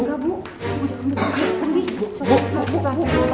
kayaknya ada petip aja di umpet umpetin